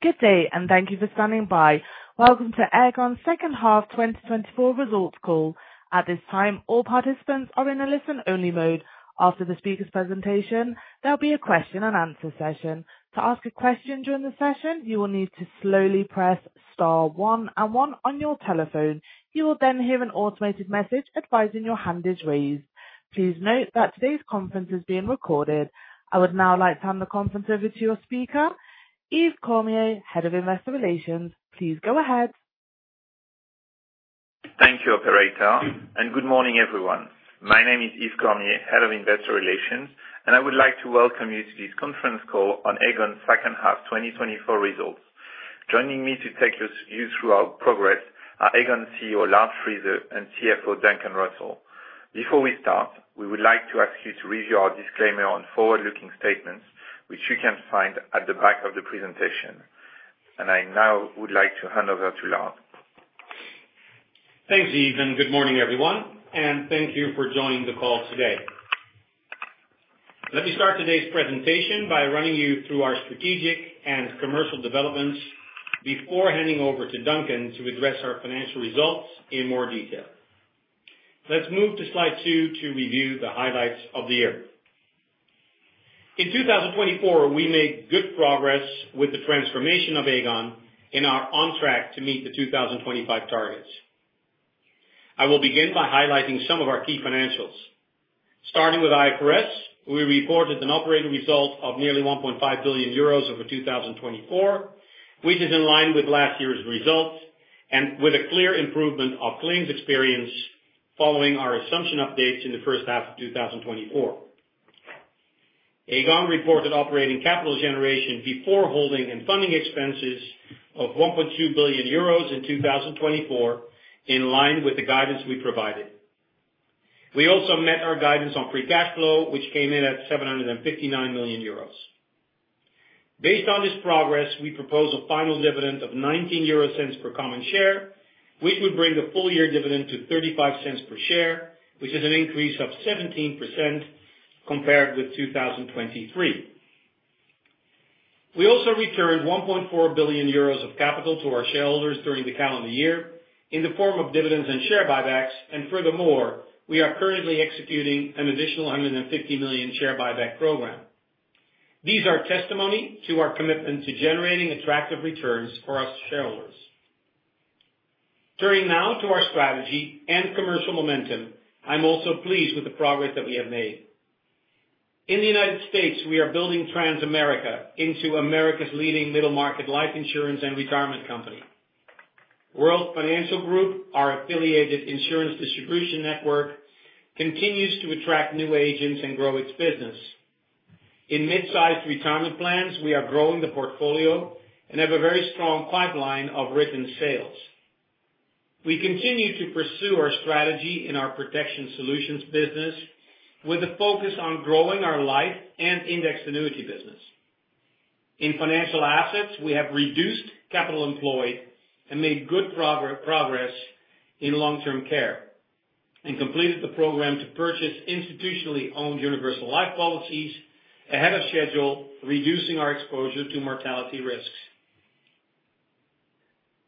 Good day, and thank you for standing by. Welcome to Aegon's Second Half 2024 Results Call. At this time, all participants are in a listen-only mode. After the speaker's presentation, there'll be a question-and-answer session. To ask a question during the session, you will need to slowly press star one and one on your telephone. You will then hear an automated message advising your hand is raised. Please note that today's conference is being recorded. I would now like to hand the conference over to your speaker, Yves Cormier, Head of Investor Relations. Please go ahead. Thank you, Operator, and good morning, everyone. My name is Yves Cormier, Head of Investor Relations, and I would like to welcome you to this conference call on Aegon's Second Half 2024 Results. Joining me to take you through our progress are Aegon CEO Lard Friese and CFO Duncan Russell. Before we start, we would like to ask you to review our disclaimer on forward-looking statements, which you can find at the back of the presentation, and I now would like to hand over to Lard. Thanks, Yves. Good morning, everyone. Thank you for joining the call today. Let me start today's presentation by running you through our strategic and commercial developments before handing over to Duncan to address our financial results in more detail. Let's move to slide two to review the highlights of the year. In 2024, we made good progress with the transformation of Aegon and are on track to meet the 2025 targets. I will begin by highlighting some of our key financials. Starting with IFRS, we reported an operating result of nearly 1.5 billion euros over 2024, which is in line with last year's results and with a clear improvement of claims experience following our assumption updates in the first half of 2024. Aegon reported operating capital generation before holding and funding expenses of 1.2 billion euros in 2024, in line with the guidance we provided. We also met our guidance on free cash flow, which came in at 759 million euros. Based on this progress, we propose a final dividend of 0.19 per common share, which would bring the full-year dividend to 0.35 per share, which is an increase of 17% compared with 2023. We also returned 1.4 billion euros of capital to our shareholders during the calendar year in the form of dividends and share buybacks. Furthermore, we are currently executing an additional 150 million share buyback program. This is testimony to our commitment to generating attractive returns for our shareholders. Turning now to our strategy and commercial momentum, I'm also pleased with the progress that we have made. In the United States, we are building Transamerica into America's leading middle-market life insurance and retirement company. World Financial Group, our affiliated insurance distribution network, continues to attract new agents and grow its business. In mid-sized retirement plans, we are growing the portfolio and have a very strong pipeline of written sales. We continue to pursue our strategy in our Protection Solutions business with a focus on growing our life and index annuity business. In financial assets, we have reduced capital employed and made good progress in long-term care and completed the program to purchase institutionally owned Universal Life policies ahead of schedule, reducing our exposure to mortality risks.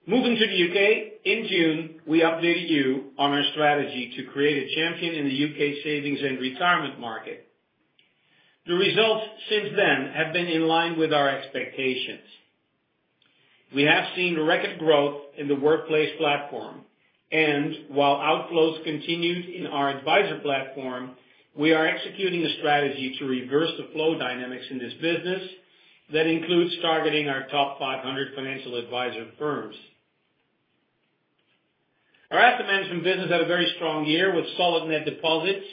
Moving to the U.K., in June, we updated you on our strategy to create a champion in the U.K. savings and retirement market. The results since then have been in line with our expectations. We have seen record growth in the Workplace Platform. And while outflows continued in our Advisor Platform, we are executing a strategy to reverse the flow dynamics in this business that includes targeting our top 500 financial advisor firms. Our asset management business had a very strong year with solid net deposits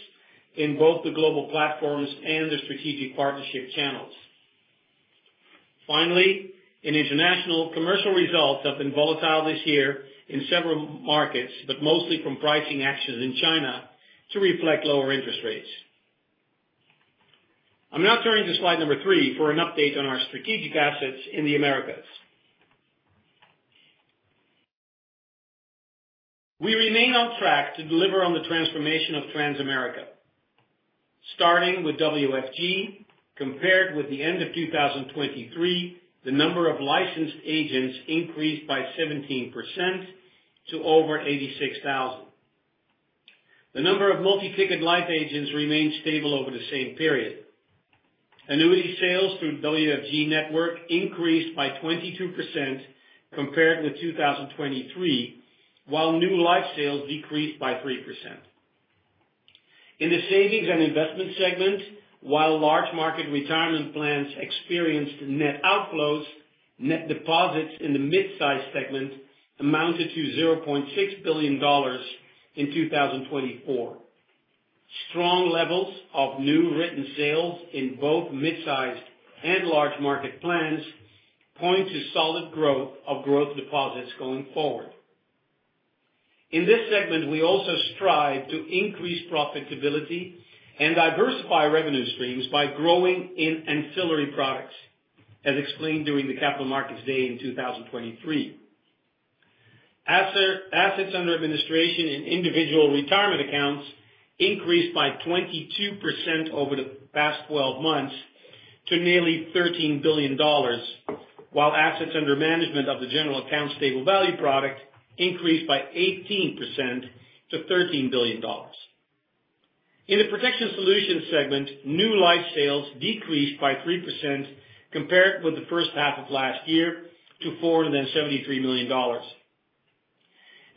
in both the global platforms and the strategic partnership channels. Finally, in international, commercial results have been volatile this year in several markets, but mostly from pricing actions in China to reflect lower interest rates. I'm now turning to slide number three for an update on our strategic assets in the Americas. We remain on track to deliver on the transformation of Transamerica. Starting with WFG, compared with the end of 2023, the number of licensed agents increased by 17% to over 86,000. The number of multi-ticket life agents remained stable over the same period. Annuity sales through the WFG network increased by 22% compared with 2023, while new life sales decreased by 3%. In the savings and investments segment, while large market retirement plans experienced net outflows, net deposits in the mid-sized segment amounted to $0.6 billion in 2024. Strong levels of new written sales in both mid-sized and large market plans point to solid growth of deposits going forward. In this segment, we also strive to increase profitability and diversify revenue streams by growing in ancillary products, as explained during the Capital Markets Day in 2023. Assets under administration in individual retirement accounts increased by 22% over the past 12 months to nearly $13 billion, while assets under management of the General Account Stable Value Product increased by 18% to $13 billion. In the Protection Solutions segment, new life sales decreased by 3% compared with the first half of last year to $473 million.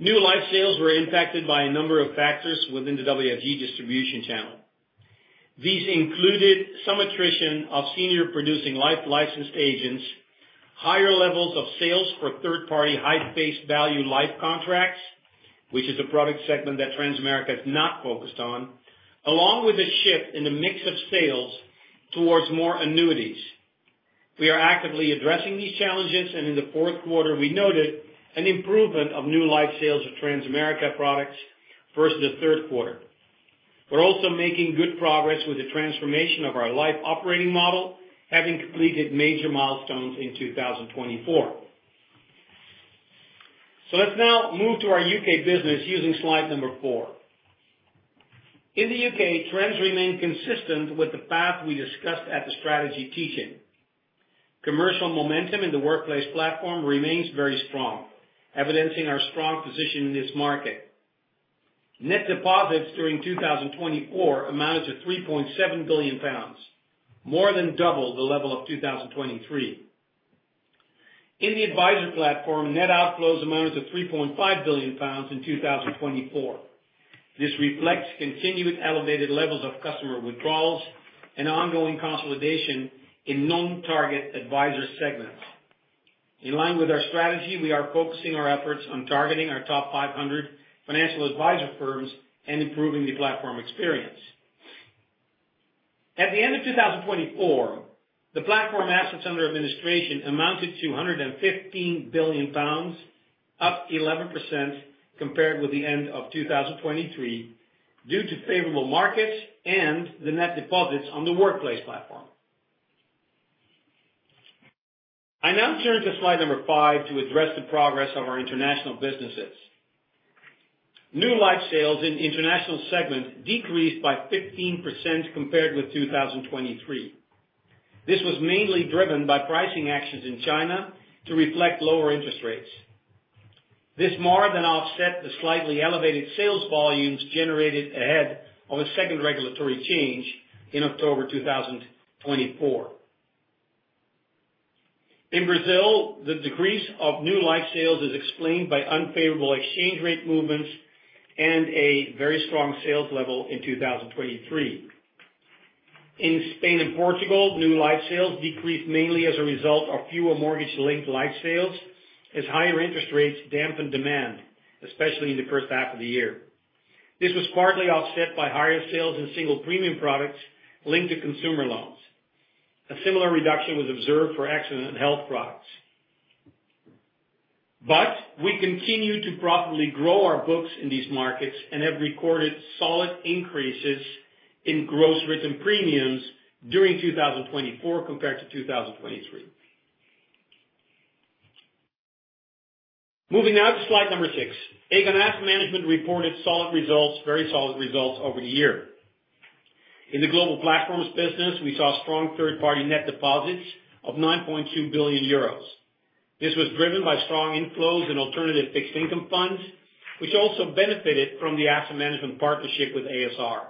New life sales were impacted by a number of factors within the WFG distribution channel. These included some attrition of senior producing life licensed agents, higher levels of sales for third-party high face value life contracts, which is a product segment that Transamerica is not focused on, along with a shift in the mix of sales towards more annuities. We are actively addressing these challenges, and in the fourth quarter, we noted an improvement of new life sales of Transamerica products versus the third quarter. We're also making good progress with the transformation of our life operating model, having completed major milestones in 2024. So let's now move to our U.K. business using slide number four. In the U.K., trends remain consistent with the path we discussed at the strategy teaching. Commercial momentum in the Workplace Platform remains very strong, evidencing our strong position in this market. Net deposits during 2024 amounted to 3.7 billion pounds, more than double the level of 2023. In the advisor platform, net outflows amounted to 3.5 billion pounds in 2024. This reflects continued elevated levels of customer withdrawals and ongoing consolidation in non-target advisor segments. In line with our strategy, we are focusing our efforts on targeting our top 500 financial advisor firms and improving the platform experience. At the end of 2024, the platform assets under administration amounted to 115 billion pounds, up 11% compared with the end of 2023 due to favorable markets and the net deposits on the workplace platform. I now turn to slide number five to address the progress of our international businesses. New life sales in international segment decreased by 15% compared with 2023. This was mainly driven by pricing actions in China to reflect lower interest rates. This more than offsets the slightly elevated sales volumes generated ahead of a second regulatory change in October 2024. In Brazil, the decrease of new life sales is explained by unfavorable exchange rate movements and a very strong sales level in 2023. In Spain and Portugal, new life sales decreased mainly as a result of fewer mortgage-linked life sales as higher interest rates dampened demand, especially in the first half of the year. This was partly offset by higher sales in single premium products linked to consumer loans. A similar reduction was observed for accident and health products, but we continue to profitably grow our books in these markets and have recorded solid increases in gross written premiums during 2024 compared to 2023. Moving now to slide number six, Aegon Asset Management reported solid results, very solid results over the year. In the global platforms business, we saw strong third-party net deposits of 9.2 billion euros. This was driven by strong inflows in alternative fixed income funds, which also benefited from the asset management partnership with a.s.r..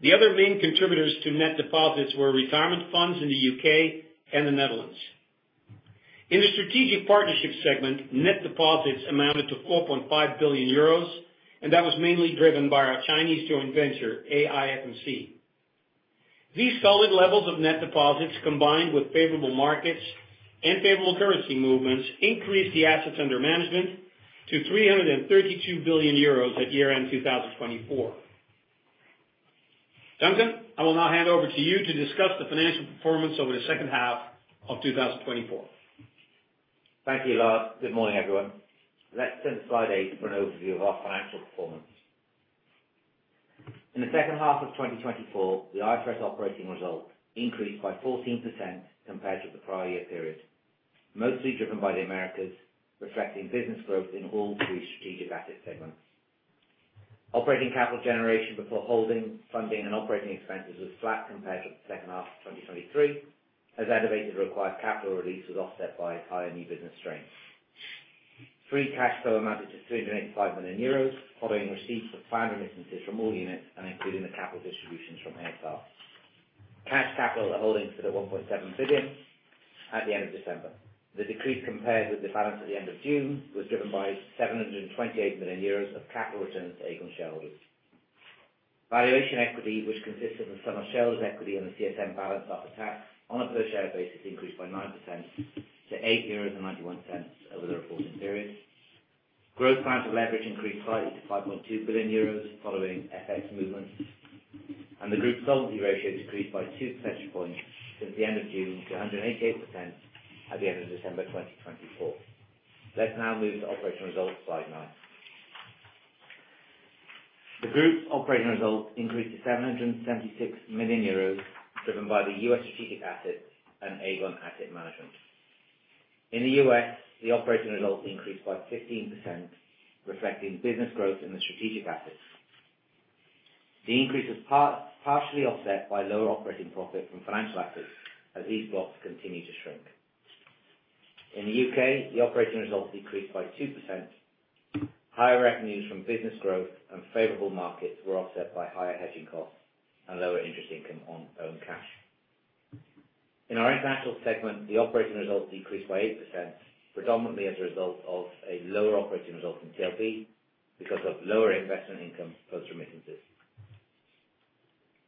The other main contributors to net deposits were retirement funds in the U.K. and the Netherlands. In the strategic partnership segment, net deposits amounted to 4.5 billion euros, and that was mainly driven by our Chinese joint venture, AIFMC. These solid levels of net deposits, combined with favorable markets and favorable currency movements, increased the assets under management to 332 billion euros at year-end 2024. Duncan, I will now hand over to you to discuss the financial performance over the second half of 2024. Thank you, Lard. Good morning, everyone. Let's turn to slide eight for an overview of our financial performance. In the second half of 2024, the IFRS operating result increased by 14% compared to the prior year period, mostly driven by the Americas, reflecting business growth in all three strategic asset segments. Operating capital generation before holding, funding, and operating expenses was flat compared to the second half of 2023, as elevated required capital release was offset by higher new business strain. Free cash flow amounted to 385 million euros, following receipts of planned remittances from all units and including the capital distributions from a.s.r.. Cash capital at holdings stood at 1.7 billion at the end of December. The decrease compared with the balance at the end of June was driven by 728 million euros of capital returns to Aegon shareholders. Valuation equity, which consist of the sum of shareholders' equity and the CSM balance after tax on a per-share basis, increased by 9% to 8.91 euros over the reporting period. Gross financial leverage increased slightly to 5.2 billion euros, following FX movements. The group solvency ratio decreased by 2 percentage points since the end of June to 188% at the end of December 2024. Let's now move to operating results, slide nine. The group operating result increased to EUR 776 million, driven by the U.S. strategic assets and Aegon Asset Management. In the U.S., the operating result increased by 15%, reflecting business growth in the strategic assets. The increase was partially offset by lower operating profit from financial assets, as these blocks continue to shrink. In the U.K., the operating result decreased by 2%. Higher revenues from business growth and favorable markets were offset by higher hedging costs and lower interest income on own cash. In our international segment, the operating result decreased by 8%, predominantly as a result of a lower operating result in TLB because of lower investment income plus remittances.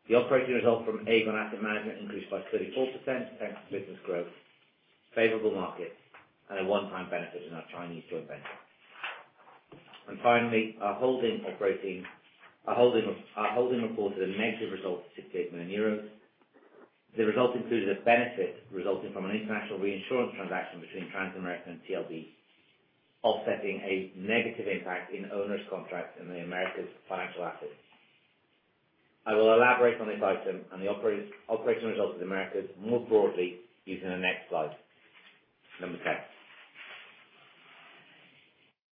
The operating result from Aegon Asset Management increased by 34% thanks to business growth, favorable markets, and a one-time benefit in our Chinese joint venture. Finally, our holding reported a negative result of 68 million euros. The result included a benefit resulting from an international reinsurance transaction between Transamerica and TLB, offsetting a negative impact in onerous contracts in the Americas financial assets. I will elaborate on this item and the operating result of the Americas more broadly using the next slide, number 10.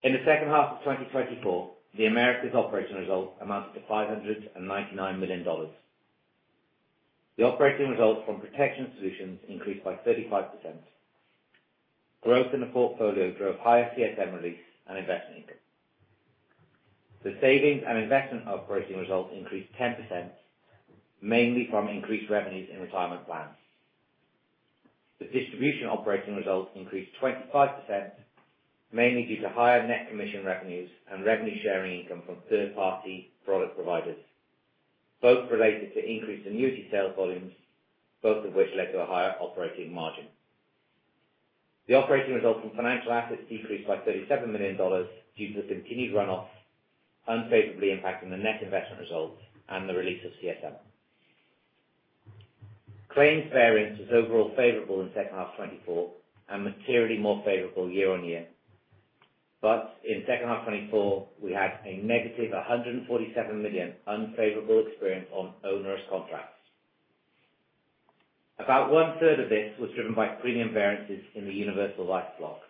In the second half of 2024, the Americas operating result amounted to $599 million. The operating result from Protection Solutions increased by 35%. Growth in the portfolio drove higher CSM release and investment income. The Savings and Investments operating result increased 10%, mainly from increased revenues in retirement plans. The distribution operating result increased 25%, mainly due to higher net commission revenues and revenue sharing income from third-party product providers, both related to increased annuity sales volumes, both of which led to a higher operating margin. The operating result from financial assets decreased by $37 million due to the continued run-off, unfavorably impacting the net investment result and the release of CSM. Claims variance was overall favorable in second half 2024 and materially more favorable year on year. But in second half 2024, we had a negative 147 million unfavorable experience on onerous contracts. About one-third of this was driven by premium variances in the universal life block.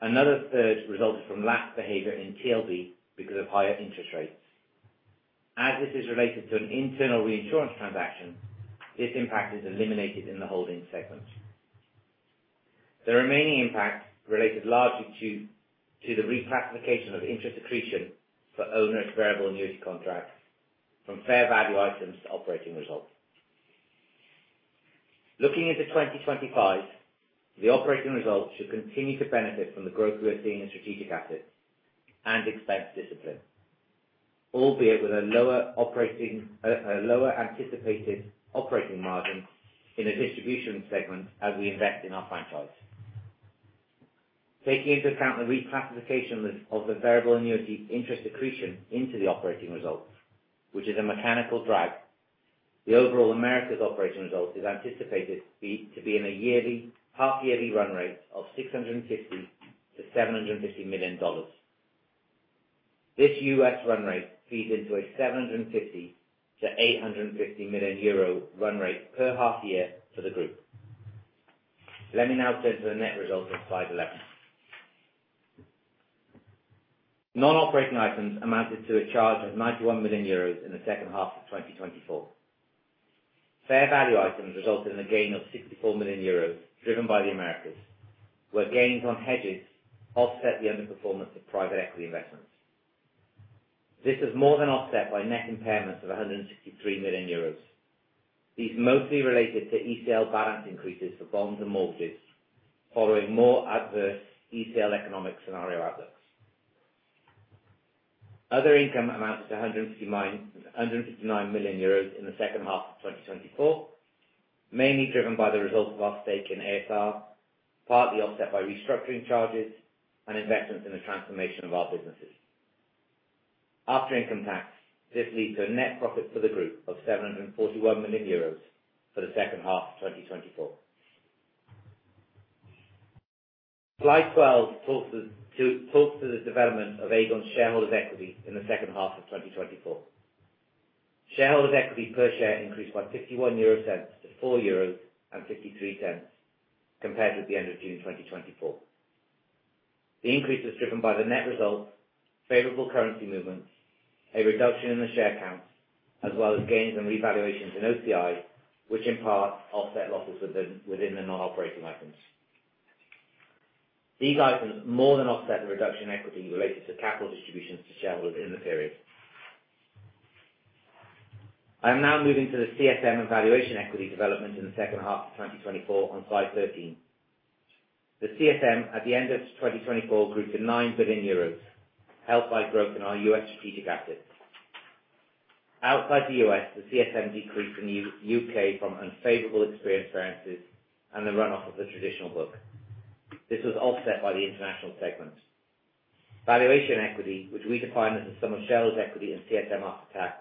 Another third resulted from lapse behavior in TLB because of higher interest rates. As this is related to an internal reinsurance transaction, this impact is eliminated in the holding segment. The remaining impact related largely to the reclassification of interest accretion for onerous variable annuity contracts from fair value items to operating result. Looking into 2025, the operating result should continue to benefit from the growth we are seeing in strategic assets and expense discipline, albeit with a lower anticipated operating margin in the distribution segment as we invest in our franchise. Taking into account the reclassification of the variable annuity interest accretion into the operating result, which is a mechanical drag, the overall Americas operating result is anticipated to be in a half-yearly run rate of $650-$750 million. This U.S. run rate feeds into a 750-850 million euro run rate per half year for the group. Let me now turn to the net result of slide 11. Non-operating items amounted to a charge of 91 million euros in the second half of 2024. Fair value items resulted in a gain of 64 million euros, driven by the Americas, where gains on hedges offset the underperformance of private equity investments. This was more than offset by net impairments of 163 million euros. These mostly related to ECL balance increases for bonds and mortgages, following more adverse ECL economic scenario outlooks. Other income amounted to 159 million euros in the second half of 2024, mainly driven by the result of our stake in a.s.r., partly offset by restructuring charges and investments in the transformation of our businesses. After income tax, this led to a net profit for the group of 741 million euros for the second half of 2024. Slide 12 talks to the development of Aegon's shareholders' equity in the second half of 2024. Shareholders' equity per share increased by 51 euro to 4.53 euros compared with the end of June 2024. The increase was driven by the net result, favorable currency movements, a reduction in the share counts, as well as gains and revaluations in OCI, which in part offset losses within the non-operating items. These items more than offset the reduction in equity related to capital distributions to shareholders in the period. I am now moving to the CSM and valuation equity development in the second half of 2024 on slide 13. The CSM at the end of 2024 grew to 9 billion euros, helped by growth in our U.S. strategic assets. Outside the U.S., the CSM decreased in the U.K. from unfavorable experience variances and the run-off of the traditional book. This was offset by the international segment. Valuation equity, which we define as the sum of shareholders' equity and CSM after tax,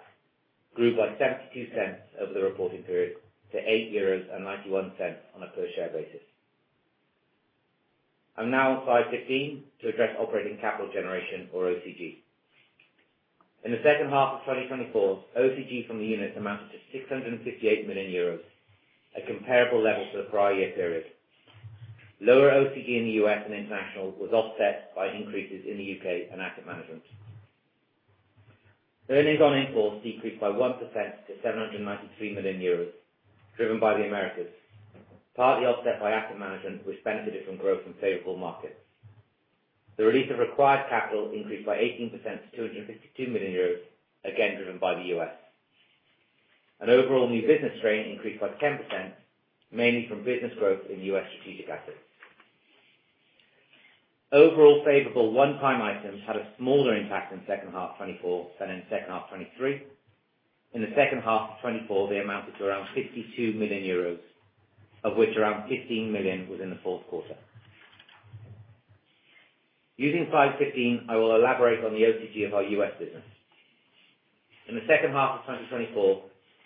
grew by 0.72 over the reporting period to 8.91 euros on a per-share basis. I'm now on slide 15 to address operating capital generation, or OCG. In the second half of 2024, OCG from the units amounted to 658 million euros, a comparable level to the prior year period. Lower OCG in the U.S. and international was offset by increases in the U.K. and Asset Management. Earnings on in-force decreased by 1% to 793 million euros, driven by the Americas, partly offset by asset management, which benefited from growth in favorable markets. The release of required capital increased by 18% to 252 million euros, again driven by the U.S. An overall new business strain increased by 10%, mainly from business growth in U.S. strategic assets. Overall favorable one-time items had a smaller impact in second half 2024 than in second half 2023. In the second half of 2024, they amounted to around 52 million euros, of which around 15 million was in the fourth quarter. Using slide 15, I will elaborate on the OCG of our U.S. business. In the second half of 2024,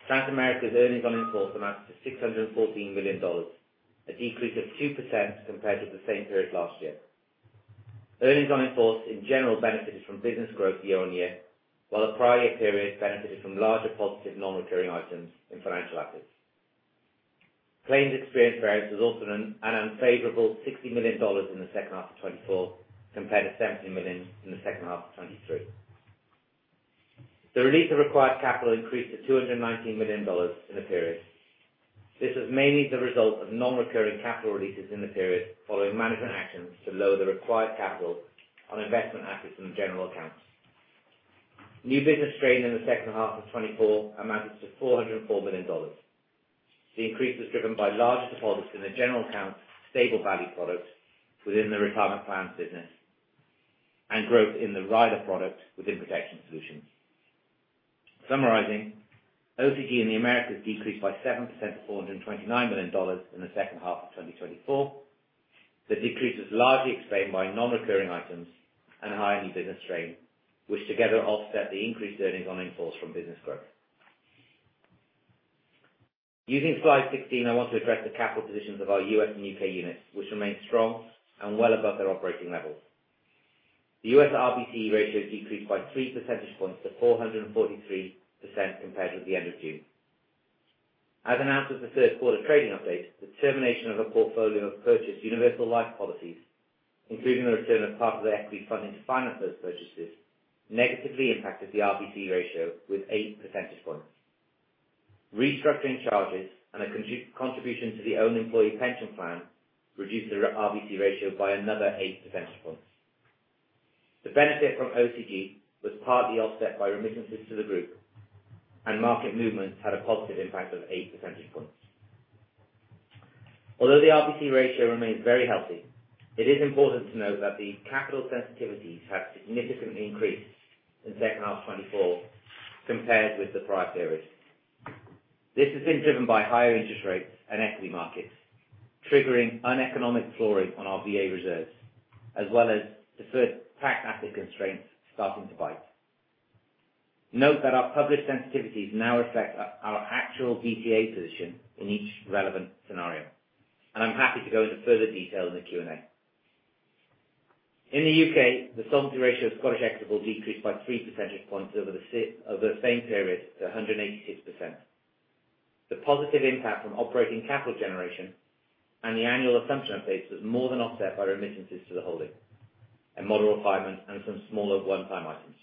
Transamerica's earnings on inforce amounted to $614 million, a decrease of 2% compared with the same period last year. Earnings on in-force in general benefited from business growth year on year, while the prior year period benefited from larger positive non-recurring items in financial assets. Claims experience variance was also an unfavorable $60 million in the second half of 2024 compared to $70 million in the second half of 2023. The release of required capital increased to $219 million in the period. This was mainly the result of non-recurring capital releases in the period following management actions to lower the required capital on investment assets in the general account. New business strain in the second half of 2024 amounted to $404 million. The increase was driven by larger deposits in the general account, stable value product within the retirement plans business, and growth in the RILA product within Protection Solutions. Summarizing, OCG in the Americas decreased by 7% to $429 million in the second half of 2024. The decrease was largely explained by non-recurring items and higher new business strain, which together offset the increased earnings on in-force from business growth. Using slide 16, I want to address the capital positions of our U.S. and U.K. units, which remained strong and well above their operating levels. The U.S. RBC ratio decreased by 3 percentage points to 443% compared with the end of June. As announced with the third quarter trading update, the termination of a portfolio of purchased universal life policies, including the return of part of the equity funding to finance those purchases, negatively impacted the RBC ratio with 8 percentage points. Restructuring charges and a contribution to the owned employee pension plan reduced the RBC ratio by another 8 percentage points. The benefit from OCG was partly offset by remittances to the group, and market movements had a positive impact of 8 percentage points. Although the RBC ratio remains very healthy, it is important to note that the capital sensitivities have significantly increased in second half 2024 compared with the prior period. This has been driven by higher interest rates and equity markets, triggering uneconomic flooring on our VA reserves, as well as deferred tax asset constraints starting to bite. Note that our published sensitivities now reflect our actual DTA position in each relevant scenario, and I'm happy to go into further detail in the Q&A. In the U.K., the solvency ratio of Scottish Equitable decreased by 3 percentage points over the same period to 186%. The positive impact from operating capital generation and the annual assumption updates was more than offset by remittances to the holding, a moderate refinement, and some smaller one-time items.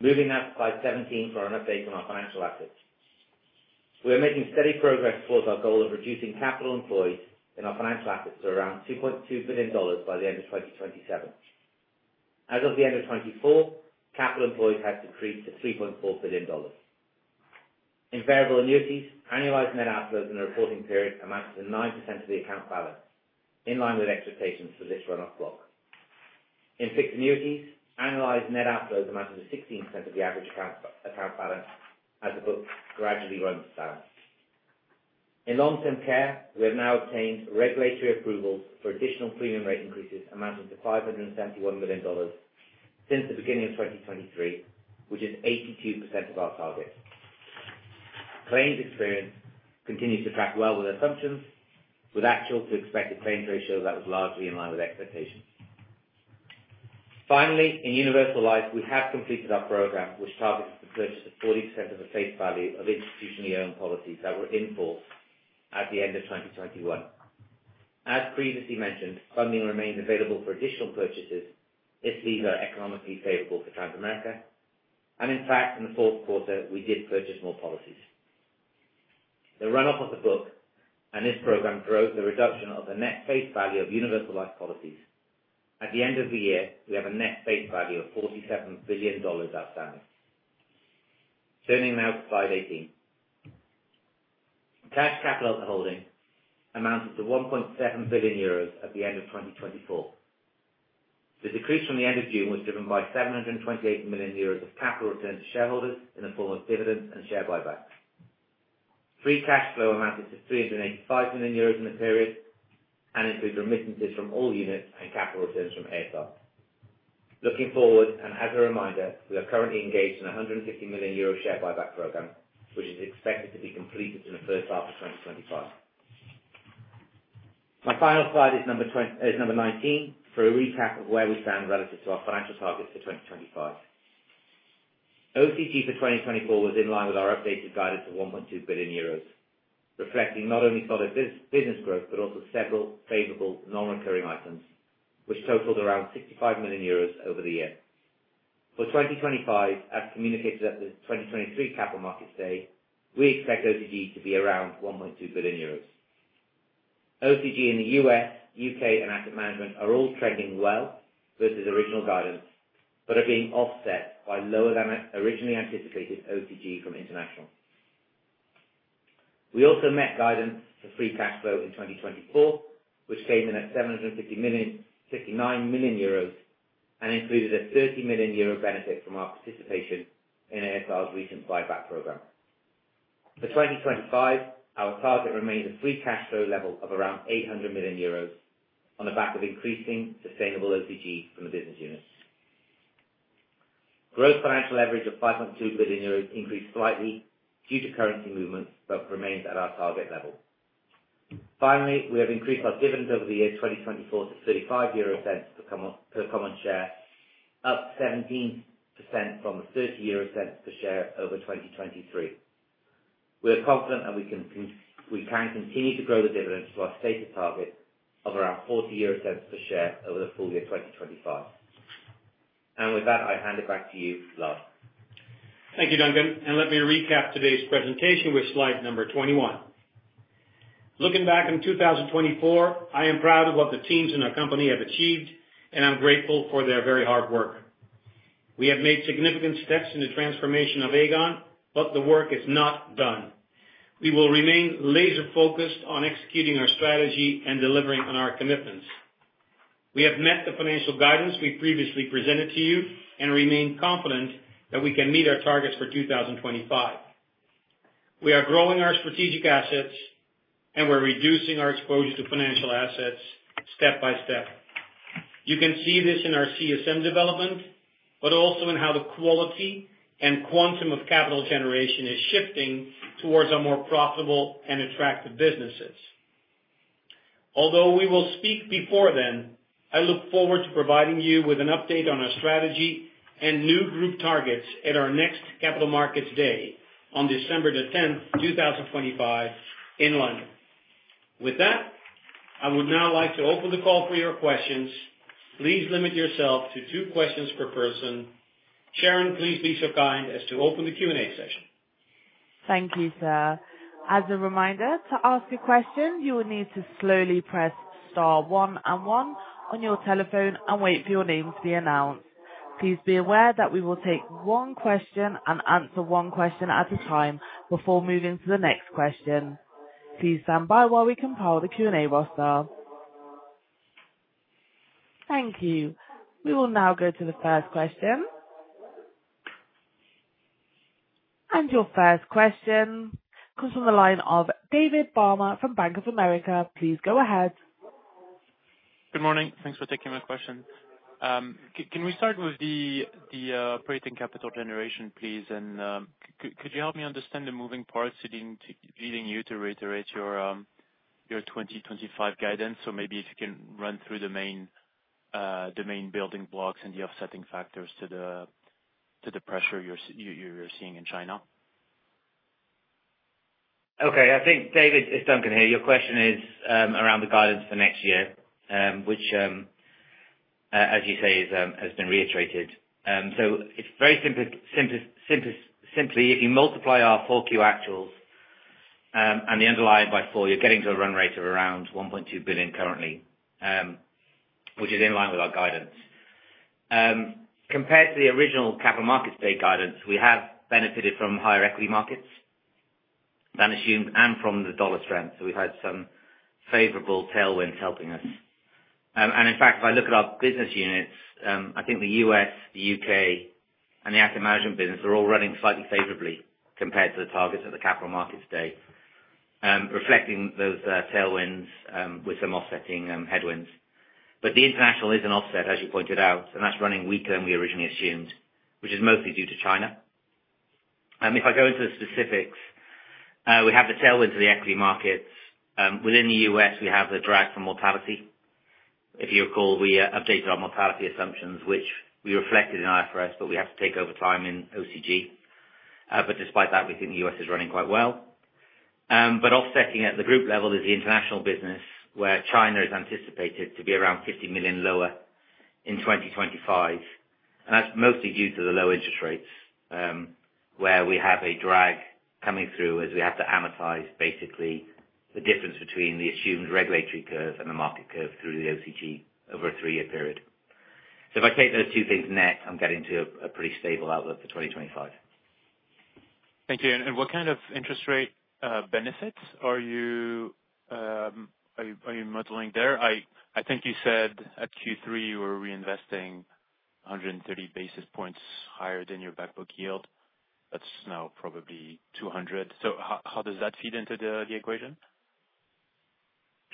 Moving now to slide 17 for an update on our financial assets. We are making steady progress towards our goal of reducing capital employed in our financial assets to around $2.2 billion by the end of 2027. As of the end of 2024, capital employed has decreased to $3.4 billion. In Variable Annuities, annualized net outflows in the reporting period amounted to 9% of the account balance, in line with expectations for this run-off block. In Fixed Annuities, annualized net outflows amounted to 16% of the average account balance as the book gradually runs down. In long-term care, we have now obtained regulatory approvals for additional premium rate increases amounting to $571 million since the beginning of 2023, which is 82% of our target. Claims experience continues to track well with assumptions, with actual to expected claims ratio that was largely in line with expectations. Finally, in Universal Life, we have completed our program, which targets the purchase of 40% of the face value of institutionally owned policies that were in force at the end of 2021. As previously mentioned, funding remains available for additional purchases, if these are economically favorable for Transamerica, and in fact, in the fourth quarter, we did purchase more policies. The run-off of the book and this program drove the reduction of the net face value of Universal Life policies. At the end of the year, we have a net face value of $47 billion outstanding. Turning now to slide 18. Cash capital at the holding amounted to 1.7 billion euros at the end of 2024. The decrease from the end of June was driven by 728 million euros of capital returns to shareholders in the form of dividends and share buybacks. Free cash flow amounted to 385 million euros in the period and included remittances from all units and capital returns from a.s.r.. Looking forward, and as a reminder, we are currently engaged in a 150 million euro share buyback program, which is expected to be completed in the first half of 2025. My final slide is number 19 for a recap of where we stand relative to our financial targets for 2025. OCG for 2024 was in line with our updated guidance of 1.2 billion euros, reflecting not only solid business growth but also several favorable non-recurring items, which totaled around 65 million euros over the year. For 2025, as communicated at the 2023 capital markets day, we expect OCG to be around 1.2 billion euros. OCG in the U.S., U.K., and Asset Management are all trending well versus original guidance but are being offset by lower than originally anticipated OCG from international. We also met guidance for free cash flow in 2024, which came in at 759 million and included a 30 million euro benefit from our participation in a.s.r.'s recent buyback program. For 2025, our target remains a free cash flow level of around 800 million euros on the back of increasing sustainable OCG from the business units. Gross financial leverage of 5.2 billion euros increased slightly due to currency movements but remains at our target level. Finally, we have increased our dividend over the year 2024 to 0.35 per common share, up 17% from the 0.30 per share over 2023. We are confident that we can continue to grow the dividend to our stated target of around 40 euro per share over the full year 2025. And with that, I hand it back to you, Lard. Thank you, Duncan. And let me recap today's presentation with slide number 21. Looking back on 2024, I am proud of what the teams and our company have achieved, and I'm grateful for their very hard work. We have made significant steps in the transformation of Aegon, but the work is not done. We will remain laser-focused on executing our strategy and delivering on our commitments. We have met the financial guidance we previously presented to you and remain confident that we can meet our targets for 2025. We are growing our strategic assets, and we're reducing our exposure to financial assets step by step. You can see this in our CSM development, but also in how the quality and quantum of capital generation is shifting towards our more profitable and attractive businesses. Although we will speak before then, I look forward to providing you with an update on our strategy and new group targets at our next capital markets day on December the 10th, 2025, in London. With that, I would now like to open the call for your questions. Please limit yourself to two questions per person. Sharon, please be so kind as to open the Q&A session. Thank you, sir. As a reminder, to ask a question, you will need to slowly press star one and one on your telephone and wait for your name to be announced. Please be aware that we will take one question and answer one question at a time before moving to the next question. Please stand by while we compile the Q&A roster. Thank you. We will now go to the first question. Your first question comes from the line of David Barma from Bank of America. Please go ahead. Good morning. Thanks for taking my question. Can we start with the operating capital generation, please? And could you help me understand the moving parts leading you to reiterate your 2025 guidance? So maybe if you can run through the main building blocks and the offsetting factors to the pressure you're seeing in China. Okay. I think, David, it's Duncan here. Your question is around the guidance for next year, which, as you say, has been reiterated. It's very simple. Simply, if you multiply our 4Q actuals and the underlying by four, you're getting to a run rate of around 1.2 billion currently, which is in line with our guidance. Compared to the original capital markets day guidance, we have benefited from higher equity markets than assumed and from the dollar strength. So we've had some favorable tailwinds helping us. And in fact, if I look at our business units, I think the U.S., the U.K., and the asset management business are all running slightly favorably compared to the targets of the Capital Markets Day, reflecting those tailwinds with some offsetting headwinds. But the international is an offset, as you pointed out, and that's running weaker than we originally assumed, which is mostly due to China. If I go into the specifics, we have the tailwinds of the equity markets. Within the U.S., we have the drag from mortality. If you recall, we updated our mortality assumptions, which we reflected in IFRS, but we have to take over time in OCG. But despite that, we think the US is running quite well. But offsetting at the group level is the international business, where China is anticipated to be around 50 million lower in 2025. And that's mostly due to the low interest rates, where we have a drag coming through as we have to amortize, basically, the difference between the assumed regulatory curve and the market curve through the OCG over a three-year period. So if I take those two things net, I'm getting to a pretty stable outlook for 2025. Thank you. And what kind of interest rate benefits are you modeling there? I think you said at Q3 you were reinvesting 130 basis points higher than your back book yield. That's now probably 200. So how does that feed into the equation?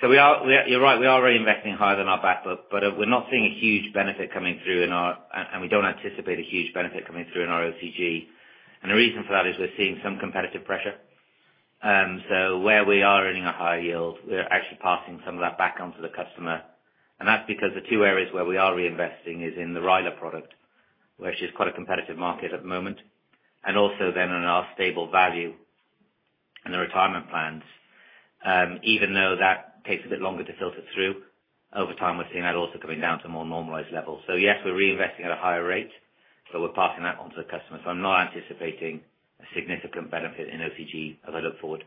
So you're right. We are reinvesting higher than our back book, but we're not seeing a huge benefit coming through, and we don't anticipate a huge benefit coming through in our OCG, and the reason for that is we're seeing some competitive pressure. So where we are earning a high yield, we're actually passing some of that back onto the customer, and that's because the two areas where we are reinvesting is in the RILA product, which is quite a competitive market at the moment, and also then on our stable value and the retirement plans, even though that takes a bit longer to filter through. Over time, we're seeing that also coming down to a more normalized level, so yes, we're reinvesting at a higher rate, but we're passing that onto the customer, so I'm not anticipating a significant benefit in OCG as I look forward.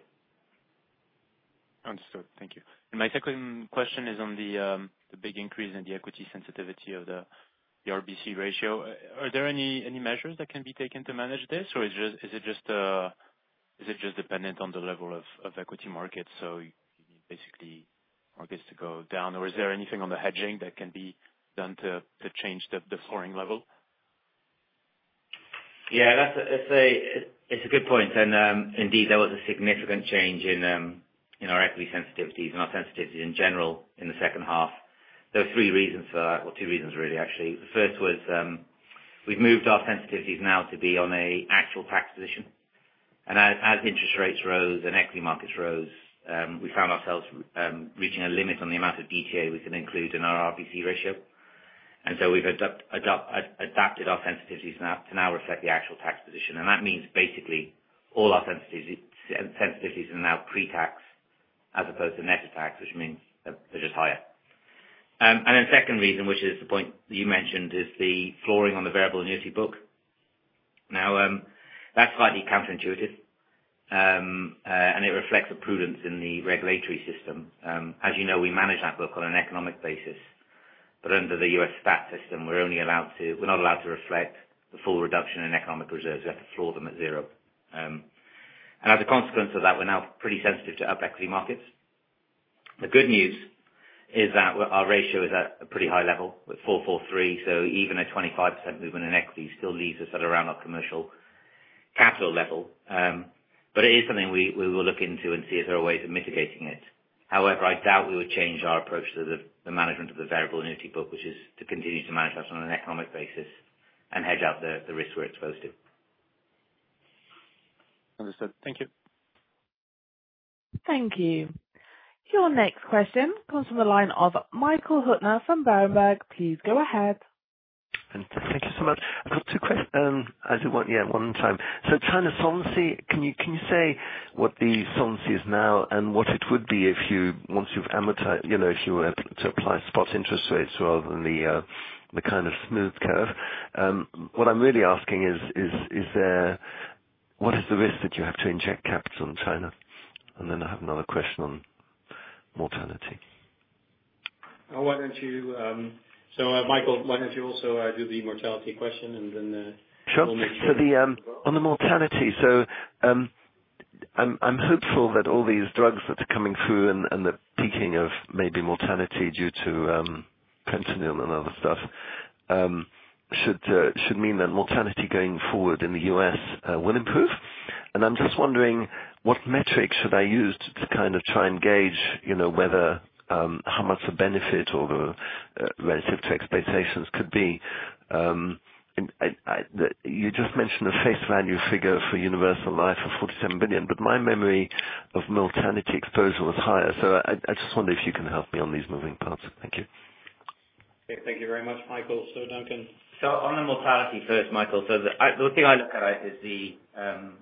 Understood. Thank you. My second question is on the big increase in the equity sensitivity of the RBC ratio. Are there any measures that can be taken to manage this, or is it just dependent on the level of equity markets? You need basically markets to go down, or is there anything on the hedging that can be done to change the flooring level? Yeah, it's a good point. Indeed, there was a significant change in our equity sensitivities and our sensitivities in general in the second half. There were three reasons for that, or two reasons really, actually. The first was we've moved our sensitivities now to be on an actual tax position. And as interest rates rose and equity markets rose, we found ourselves reaching a limit on the amount of DTA we can include in our RBC ratio. And so we've adapted our sensitivities to now reflect the actual tax position. And that means basically all our sensitivities are now pre-tax as opposed to net tax, which means they're just higher. And then second reason, which is the point you mentioned, is the flooring on the variable annuity book. Now, that's slightly counterintuitive, and it reflects a prudence in the regulatory system. As you know, we manage that book on an economic basis, but under the U.S. tax system, we're not allowed to reflect the full reduction in economic reserves. We have to floor them at zero. And as a consequence of that, we're now pretty sensitive to up equity markets. The good news is that our ratio is at a pretty high level with 443%. So even a 25% movement in equity still leaves us at around our commercial capital level. But it is something we will look into and see if there are ways of mitigating it. However, I doubt we would change our approach to the management of the variable annuity book, which is to continue to manage us on an economic basis and hedge out the risks we're exposed to. Understood. Thank you. Thank you. Your next question comes from the line of Michael Huttner from Berenberg. Please go ahead. Thank you so much. I've got two questions. I do want one at a time. So China's solvency, can you say what the solvency is now and what it would be if you once you've amortized, if you were to apply spot interest rates rather than the kind of smooth curve? What I'm really asking is, what is the risk that you have to inject capital in China? And then I have another question on mortality. Why don't you - so Michael, why don't you also do the mortality question and then we'll... Sure. On the mortality, I'm hopeful that all these drugs that are coming through and the peaking of maybe mortality due to fentanyl and other stuff should mean that mortality going forward in the U.S. will improve. I'm just wondering, what metrics should I use to kind of try and gauge whether how much the benefit or the relative expectations could be? You just mentioned a face value figure for universal life of $47 billion, but my memory of mortality exposure was higher. I just wonder if you can help me on these moving parts. Thank you. Thank you very much, Michael. So, Duncan. On the mortality first, Michael. The thing I look at is the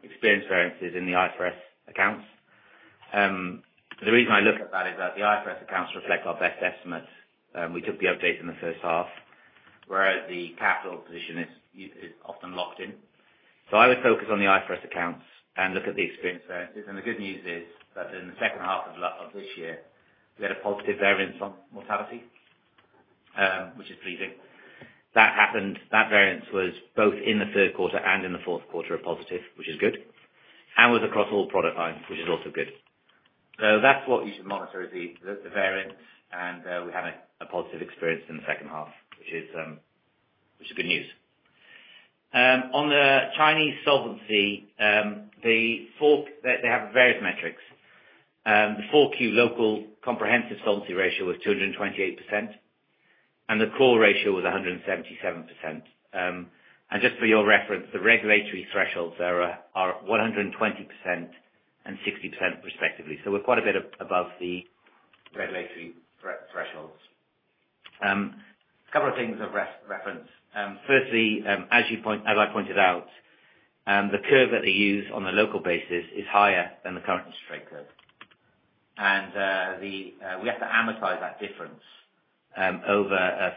experience variances in the IFRS accounts. The reason I look at that is that the IFRS accounts reflect our best estimates. We took the update in the first half, whereas the capital position is often locked in, so I would focus on the IFRS accounts and look at the experience variances, and the good news is that in the second half of this year, we had a positive variance on mortality, which is pleasing. That variance was both in the third quarter and in the fourth quarter positive, which is good, and was across all product lines, which is also good, so that's what you should monitor is the variance, and we had a positive experience in the second half, which is good news. On the Chinese solvency, they have various metrics. The 4Q local comprehensive solvency ratio was 228%, and the core ratio was 177%. Just for your reference, the regulatory thresholds are 120% and 60% respectively. We're quite a bit above the regulatory thresholds. A couple of things of reference. Firstly, as I pointed out, the curve that they use on the local basis is higher than the current straight curve. We have to amortize that difference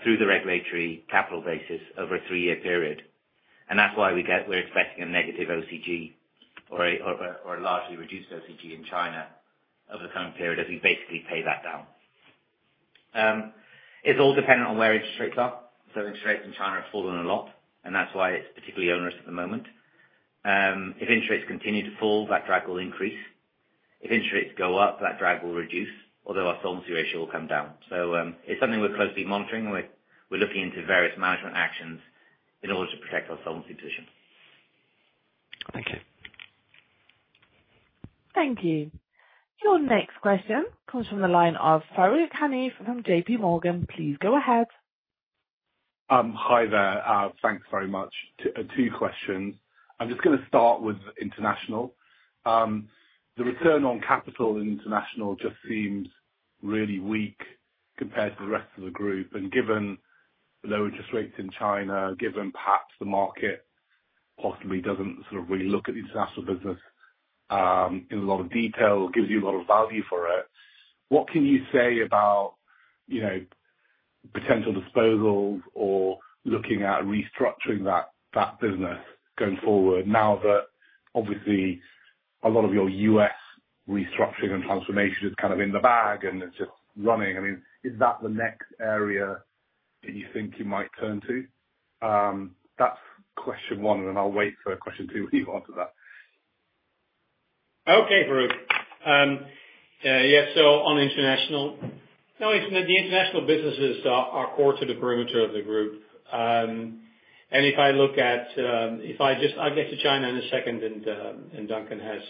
through the regulatory capital basis over a three-year period. That's why we're expecting a negative OCG or a largely reduced OCG in China over the coming period as we basically pay that down. It's all dependent on where interest rates are. Interest rates in China have fallen a lot, and that's why it's particularly onerous at the moment. If interest rates continue to fall, that drag will increase. If interest rates go up, that drag will reduce, although our solvency ratio will come down. So it's something we're closely monitoring, and we're looking into various management actions in order to protect our solvency position. Thank you. Thank you. Your next question comes from the line of Farooq Hanif from JP Morgan. Please go ahead. Hi there. Thanks very much. Two questions. I'm just going to start with international. The return on capital in international just seems really weak compared to the rest of the group. And given low interest rates in China, given perhaps the market possibly doesn't sort of relook at the international business in a lot of detail, gives you a lot of value for it, what can you say about potential disposals or looking at restructuring that business going forward now that obviously a lot of your U.S. restructuring and transformation is kind of in the bag and it's just running? I mean, is that the next area that you think you might turn to? That's question one, and I'll wait for question two when you answer that. Okay, Farooq. Yeah, so on international, the international businesses are core to the perimeter of the group. And if I look at, I'll just get to China in a second, and Duncan has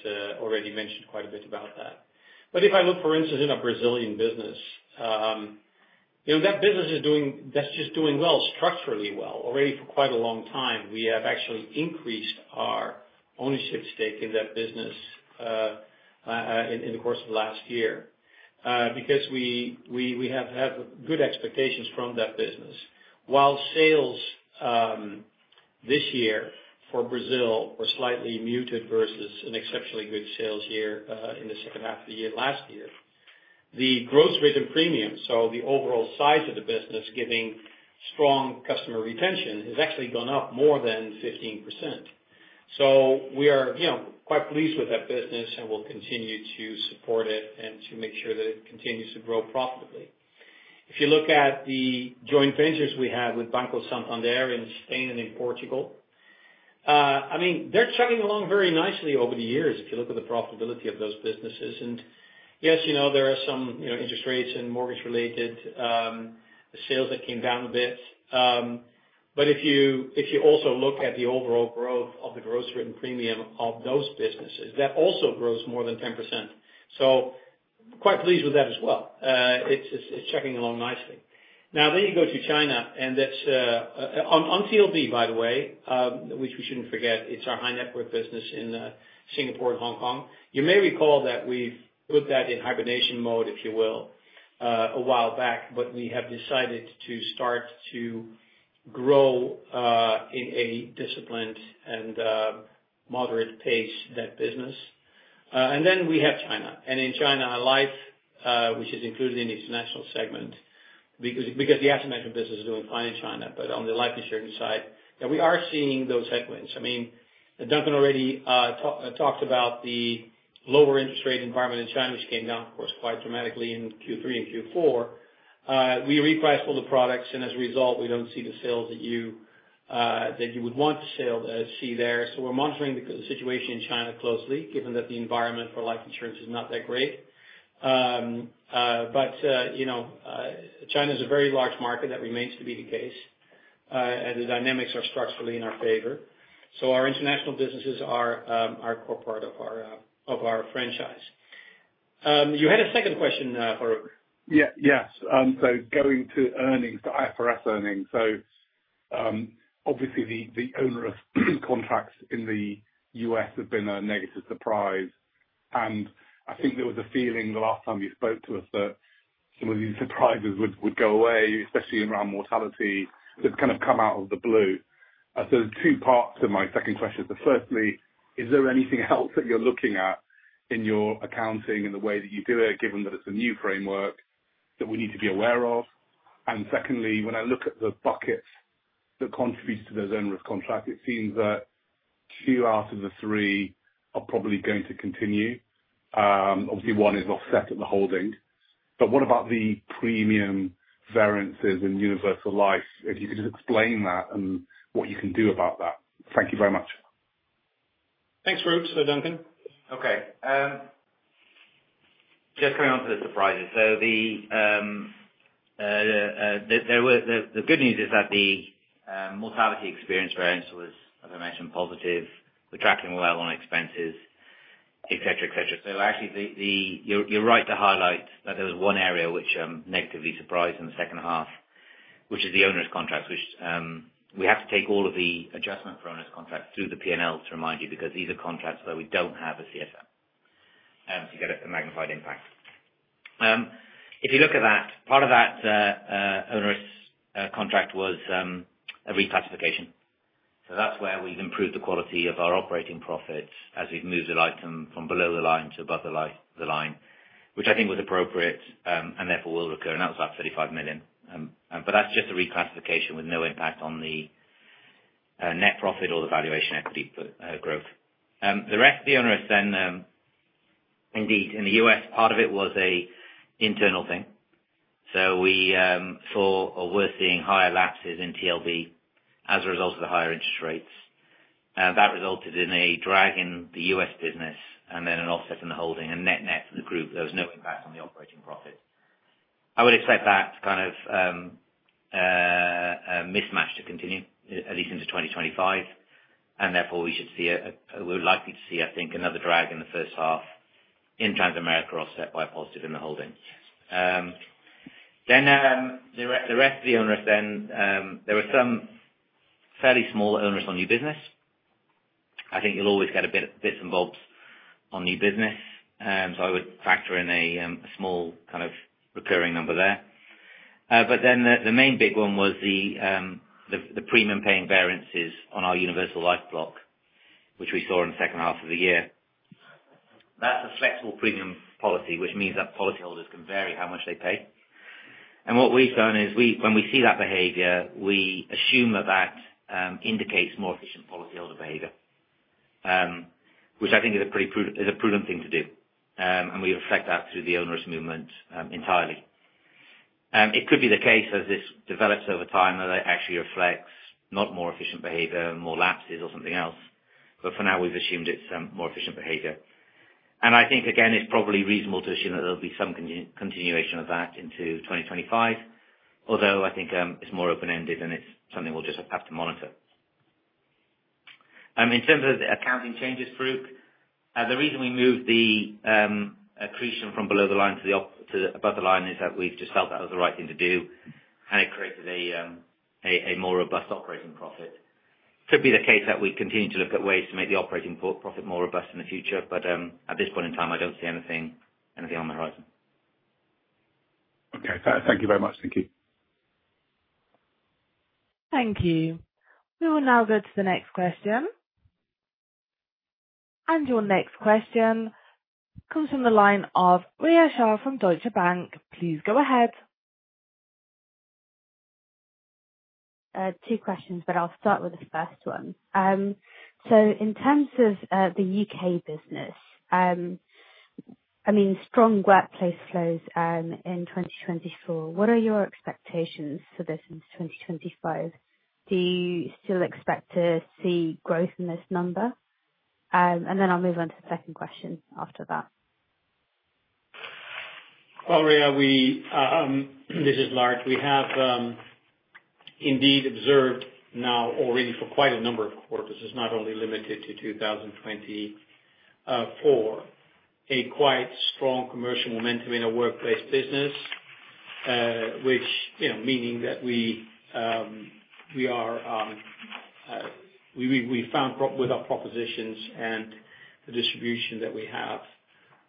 already mentioned quite a bit about that. But if I look, for instance, at a Brazilian business, that business is doing well, structurally well, already for quite a long time. We have actually increased our ownership stake in that business in the course of the last year because we have good expectations from that business. While sales this year for Brazil were slightly muted versus an exceptionally good sales year in the second half of the year last year, the gross written premium, so the overall size of the business given strong customer retention, has actually gone up more than 15%. So we are quite pleased with that business, and we'll continue to support it and to make sure that it continues to grow profitably. If you look at the joint ventures we have with Banco Santander in Spain and in Portugal, I mean, they're chugging along very nicely over the years if you look at the profitability of those businesses. And yes, there are some interest rates and mortgage-related sales that came down a bit. But if you also look at the overall growth of the gross written premium of those businesses, that also grows more than 10%. So quite pleased with that as well. It's chugging along nicely. Now, then you go to China, and that's on TLB, by the way, which we shouldn't forget. It's our high-net-worth business in Singapore and Hong Kong. You may recall that we've put that in hibernation mode, if you will, a while back, but we have decided to start to grow in a disciplined and moderate pace that business. And then we have China. And in China, life, which is included in the international segment, because the asset management business is doing fine in China, but on the life insurance side, we are seeing those headwinds. I mean, Duncan already talked about the lower interest rate environment in China, which came down, of course, quite dramatically in Q3 and Q4. We repriced all the products, and as a result, we don't see the sales that you would want to see there, so we're monitoring the situation in China closely, given that the environment for life insurance is not that great, but China is a very large market. That remains to be the case, and the dynamics are structurally in our favor, so our international businesses are a core part of our franchise. You had a second question, Farooq. Yeah. Yes, so going to earnings, the IFRS earnings, so obviously, the onerous contracts in the U.S. have been a negative surprise, and I think there was a feeling the last time you spoke to us that some of these surprises would go away, especially around mortality. It's kind of come out of the blue, so there's two parts to my second question. Firstly, is there anything else that you're looking at in your accounting and the way that you do it, given that it's a new framework that we need to be aware of? And secondly, when I look at the buckets that contribute to those onerous contracts, it seems that two out of the three are probably going to continue. Obviously, one is offset at the holding. But what about the premium variances in Universal Life? If you could just explain that and what you can do about that. Thank you very much. Thanks, Farooq. So, Duncan? Okay. Just coming on to the surprises. So the good news is that the mortality experience variance was, as I mentioned, positive. We're tracking well on expenses, etc., etc. So actually, you're right to highlight that there was one area which negatively surprised in the second half, which is the onerous contracts, which we have to take all of the adjustment for onerous contracts through the P&L to remind you because these are contracts where we don't have a CSM to get a magnified impact. If you look at that, part of that onerous contract was a reclassification. So that's where we've improved the quality of our operating profits as we've moved the item from below the line to above the line, which I think was appropriate and therefore will recur. And that was about 35 million. But that's just a reclassification with no impact on the net profit or the valuation equity growth. The rest of the onerous then, indeed, in the U.S., part of it was an internal thing. We saw or were seeing higher lapses in TLB as a result of the higher interest rates. That resulted in a drag in the U.S. business and then an offset in the holding and net-net for the group. There was no impact on the operating profits. I would expect that kind of mismatch to continue, at least into 2025. Therefore, we should see we're likely to see, I think, another drag in the first half in Transamerica offset by a positive in the holding. Then the rest of the onerous. Then, there were some fairly small onerous on new business. I think you'll always get a bit of bits and bobs on new business. I would factor in a small kind of recurring number there. But then the main big one was the premium paying variances on our Universal Life block, which we saw in the second half of the year. That's a flexible premium policy, which means that policyholders can vary how much they pay. And what we've done is when we see that behavior, we assume that that indicates more efficient policyholder behavior, which I think is a prudent thing to do. And we reflect that through the onerous movement entirely. It could be the case as this develops over time that it actually reflects not more efficient behavior, more lapses or something else. But for now, we've assumed it's more efficient behavior. And I think, again, it's probably reasonable to assume that there'll be some continuation of that into 2025, although I think it's more open-ended and it's something we'll just have to monitor. In terms of the accounting changes, Farooq, the reason we moved the accretion from below the line to above the line is that we've just felt that was the right thing to do, and it created a more robust operating profit. It could be the case that we continue to look at ways to make the operating profit more robust in the future, but at this point in time, I don't see anything on the horizon. Okay. Thank you very much. Thank you. Thank you. We will now go to the next question. And your next question comes from the line of Rhea Shah from Deutsche Bank. Please go ahead. Two questions, but I'll start with the first one. So in terms of the U.K. business, I mean, strong workplace flows in 2024. What are your expectations for this into 2025? Do you still expect to see growth in this number? And then I'll move on to the second question after that. Rhea, this is Lard. We have indeed observed now already for quite a number of quarters. This is not only limited to 2024, a quite strong commercial momentum in a workplace business, which - meaning that we have found with our propositions and the distribution that we have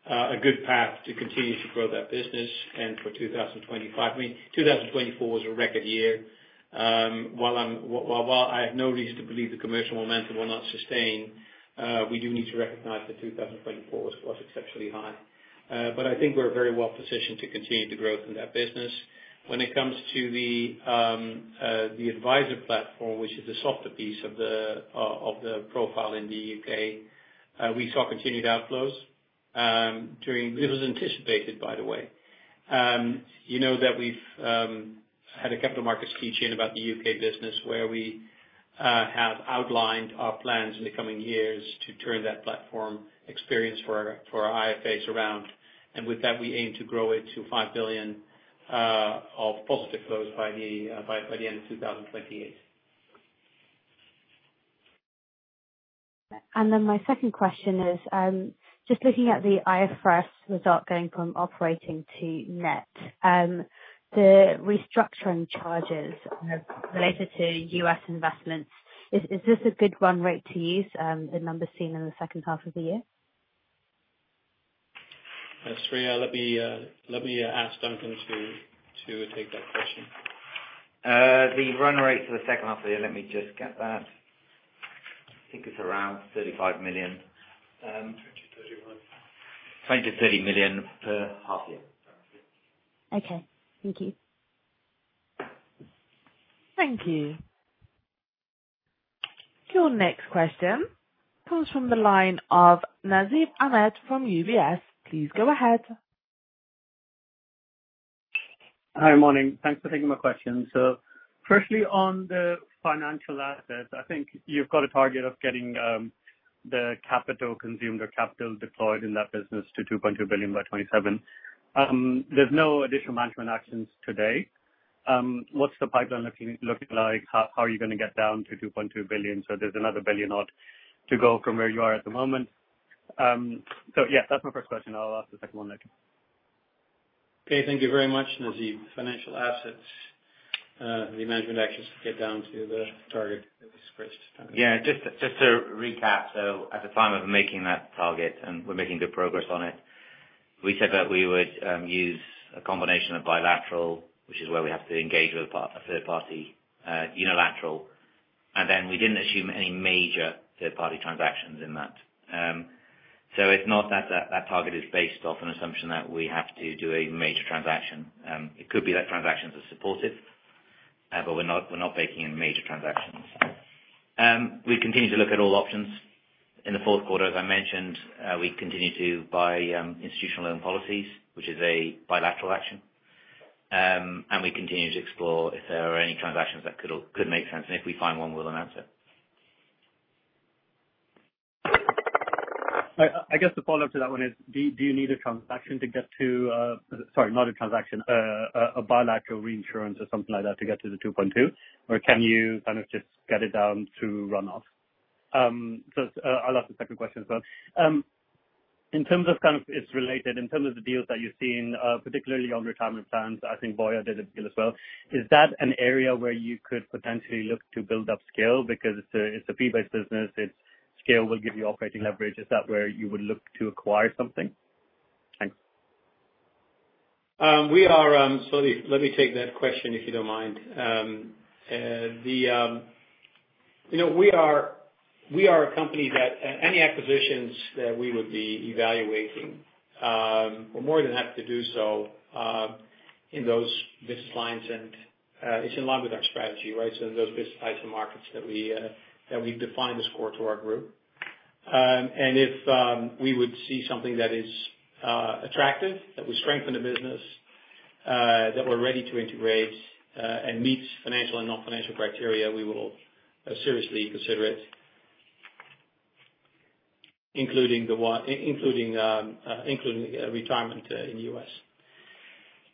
a good path to continue to grow that business and for 2025. I mean, 2024 was a record year. While I have no reason to believe the commercial momentum will not sustain, we do need to recognize that 2024 was exceptionally high. But I think we're very well positioned to continue to grow from that business. When it comes to the Advisor Platform, which is the softer piece of the profile in the U.K., we saw continued outflows. This was anticipated, by the way. You know that we've had a Capital Markets Day about the U.K. business where we have outlined our plans in the coming years to turn that platform experience for our IFAs around. And with that, we aim to grow it to 5 billion of positive flows by the end of 2028. And then my second question is just looking at the IFRS result going from operating to net, the restructuring charges related to U.S. investments. Is this a good run rate to use, the numbers seen in the second half of the year? Thanks, Rhea. Let me ask Duncan to take that question. The run rate for the second half of the year, let me just get that. I think it's around 35 million. 20-30 million per half year. Okay. Thank you. Thank you. Your next question comes from the line of Nasib Ahmed from UBS. Please go ahead. Hi, good morning. Thanks for taking my question. So firstly, on the financial assets, I think you've got a target of getting the capital consumed or capital deployed in that business to 2.2 billion by 2027. There's no additional management actions today. What's the pipeline looking like? How are you going to get down to 2.2 billion? So there's another billion odd to go from where you are at the moment. So yeah, that's my first question. I'll ask the second one later. Okay. Thank you very much. Nasib, financial assets, the management actions to get down to the target Yeah.Just to recap, so at the time of making that target, and we're making good progress on it, we said that we would use a combination of bilateral, which is where we have to engage with a third-party unilateral, and then we didn't assume any major third-party transactions in that, so it's not that that target is based off an assumption that we have to do a major transaction. It could be that transactions are supportive, but we're not baking in major transactions. We continue to look at all options. In the fourth quarter, as I mentioned, we continue to buy institutional loan policies, which is a bilateral action, and we continue to explore if there are any transactions that could make sense, and if we find one, we'll announce it. I guess the follow-up to that one is, do you need a transaction to get to—sorry, not a transaction, a bilateral reinsurance or something like that to get to the 2.2 billion? Or can you kind of just get it down through run-off? So I'll ask the second question as well. In terms of kind of it's related, in terms of the deals that you've seen, particularly on retirement plans, I think Voya did a deal as well. Is that an area where you could potentially look to build up scale because it's a fee-based business? Its scale will give you operating leverage. Is that where you would look to acquire something? Thanks. Let me take that question if you don't mind. We are a company that any acquisitions that we would be evaluating, we're more than happy to do so in those business lines. It's in line with our strategy, right? So in those business lines and markets that we deem core to our group. And if we would see something that is attractive, that would strengthen the business, that we're ready to integrate and meets financial and non-financial criteria, we will seriously consider it, including retirement in the US.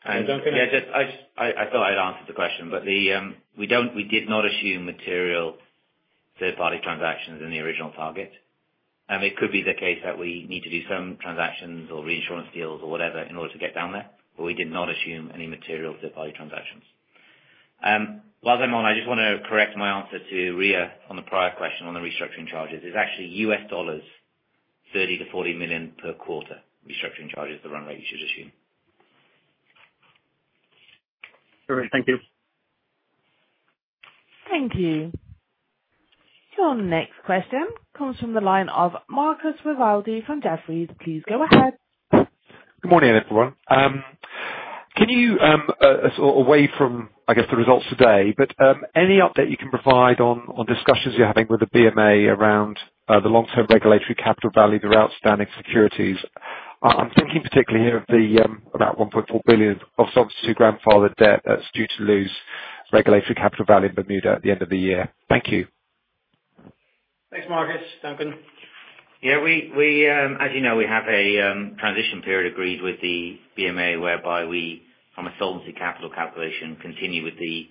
And Duncan? Yeah. I thought I had answered the question, but we did not assume material third-party transactions in the original target. And it could be the case that we need to do some transactions or reinsurance deals or whatever in order to get down there. But we did not assume any material third-party transactions. While I'm on, I just want to correct my answer to Rhea on the prior question on the restructuring charges. It's actually $30 million-$40 million per quarter, restructuring charges, the run rate you should assume. All right. Thank you. Thank you. Your next question comes from the line of Marcus Rivaldi from Jefferies. Please go ahead. Good morning, everyone. Can you sort of away from, I guess, the results today, but any update you can provide on discussions you're having with the BMA around the long-term regulatory capital value of their outstanding securities? I'm thinking particularly here of the about 1.4 billion of Solvency II grandfathered debt that's due to lose regulatory capital value in Bermuda at the end of the year. Thank you. Thanks, Marcus. Duncan? Yeah. As you know, we have a transition period agreed with the BMA whereby we, from a Solvency II capital calculation, continue with the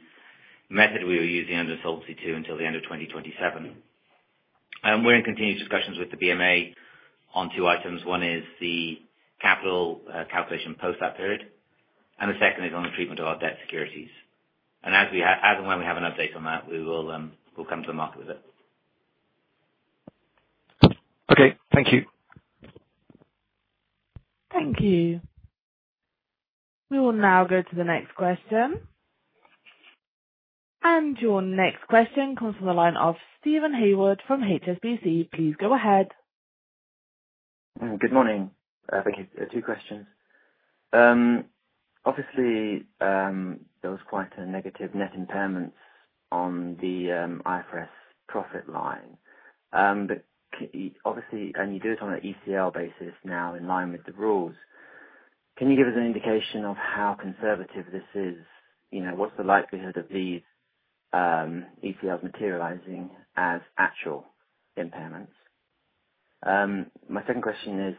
method we were using under Solvency II until the end of 2027. We're in continued discussions with the BMA on two items. One is the capital calculation post-that period. And the second is on the treatment of our debt securities. And as and when we have an update on that, we will come to the market with it. Okay. Thank you. Thank you. We will now go to the next question. And your next question comes from the line of Steven Haywood from HSBC. Please go ahead. Good morning. Thank you. Two questions. Obviously, there was quite a negative net impairment on the IFRS profit line. Obviously, and you do it on an ECL basis now in line with the rules. Can you give us an indication of how conservative this is? What's the likelihood of these ECLs materializing as actual impairments? My second question is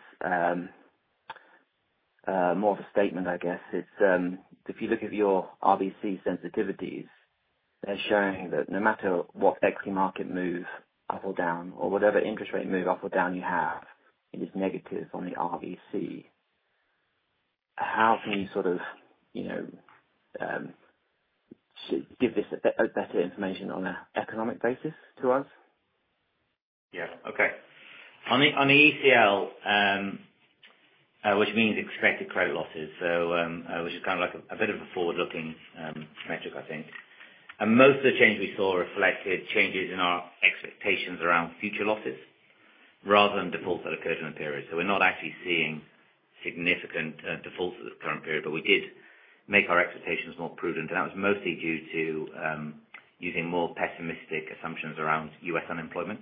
more of a statement, I guess. If you look at your RBC sensitivities, they're showing that no matter what equity market move, up or down, or whatever interest rate move, up or down you have, it is negative on the RBC. How can you sort of give this better information on an economic basis to us? Yeah. Okay. On the ECL, which means expected credit losses, which is kind of like a bit of a forward-looking metric, I think, and most of the change we saw reflected changes in our expectations around future losses rather than defaults that occurred in the period. So we're not actually seeing significant defaults at the current period, but we did make our expectations more prudent, and that was mostly due to using more pessimistic assumptions around U.S. unemployment.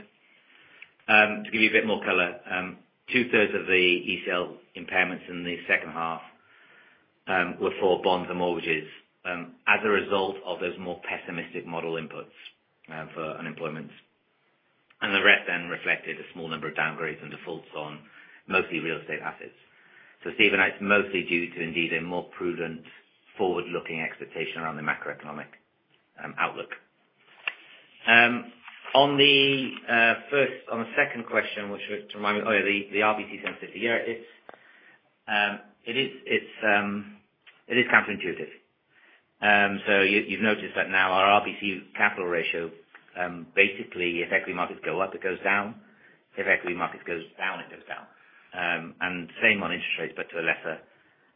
To give you a bit more color, two-thirds of the ECL impairments in the second half were for bonds and mortgages as a result of those more pessimistic model inputs for unemployment, and the rest then reflected a small number of downgrades and defaults on mostly real estate assets, so Steven, it's mostly due to indeed a more prudent, forward-looking expectation around the macroeconomic outlook. On the second question, which was to remind me, oh, yeah, the RBC sensitivity. Yes, it is counterintuitive, so you've noticed that now our RBC capital ratio, basically, if equity markets go up, it goes down. If equity markets goes down, it goes down, and same on interest rates, but to a lesser degree,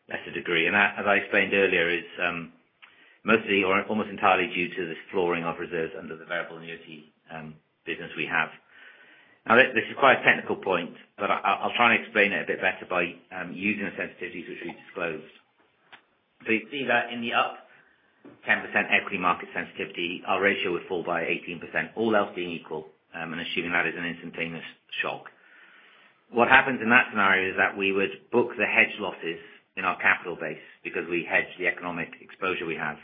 and as I explained earlier, it's mostly or almost entirely due to this flooring of reserves under the variable annuity business we have. Now, this is quite a technical point, but I'll try and explain it a bit better by using the sensitivities which we disclosed. So you see that in the up 10% equity market sensitivity, our ratio would fall by 18%, all else being equal, and assuming that is an instantaneous shock. What happens in that scenario is that we would book the hedge losses in our capital base because we hedge the economic exposure we have,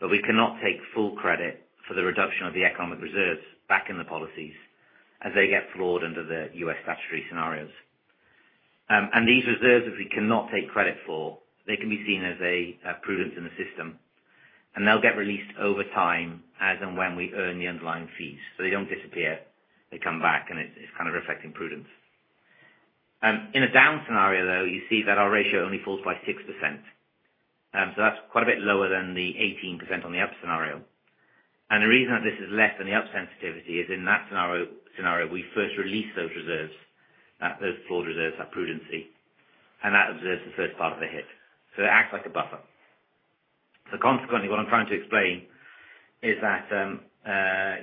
but we cannot take full credit for the reduction of the economic reserves back in the policies as they get floored under the U.S. statutory scenarios. And these reserves, if we cannot take credit for, they can be seen as a prudence in the system. And they'll get released over time as and when we earn the underlying fees. So they don't disappear. They come back, and it's kind of reflecting prudence. In a down scenario, though, you see that our ratio only falls by 6%, so that's quite a bit lower than the 18% on the up scenario, and the reason that this is less than the up sensitivity is in that scenario, we first release those reserves, those floored reserves at prudency, and that absorbs the first part of the hit, so it acts like a buffer, so consequently, what I'm trying to explain is that,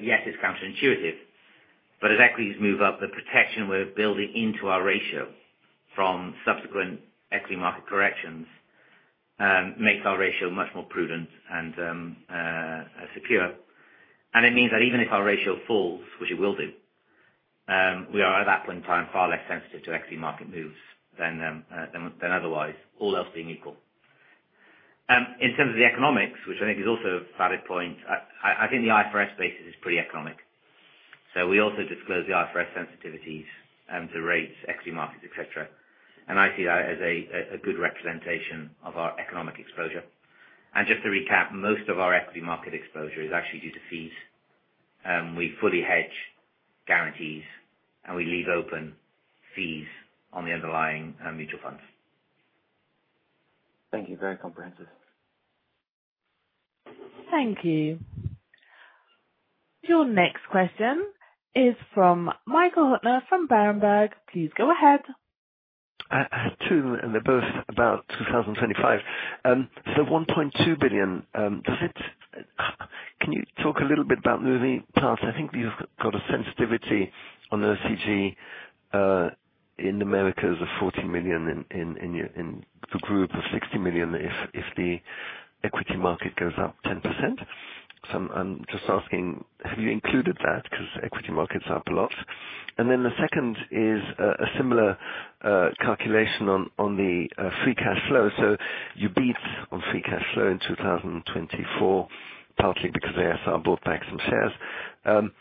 yes, it's counterintuitive, but as equities move up, the protection we're building into our ratio from subsequent equity market corrections makes our ratio much more prudent and secure, and it means that even if our ratio falls, which it will do, we are at that point in time far less sensitive to equity market moves than otherwise, all else being equal. In terms of the economics, which I think is also a valid point, I think the IFRS basis is pretty economic. So we also disclose the IFRS sensitivities to rates, equity markets, etc. And I see that as a good representation of our economic exposure. And just to recap, most of our equity market exposure is actually due to fees. We fully hedge guarantees, and we leave open fees on the underlying mutual funds. Thank you. Very comprehensive. Thank you. Your next question is from Michael Huttner from Berenberg. Please go ahead. Ihave two, and they're both about 2025. So 1.2 billion, can you talk a little bit about moving past? I think you've got a sensitivity on the OCG in America of 14 million in the group of 60 million if the equity market goes up 10%. So I'm just asking, have you included that? Because equity markets are up a lot, and then the second is a similar calculation on the free cash flow, so you beat on free cash flow in 2024, partly because a.s.r. bought back some shares, and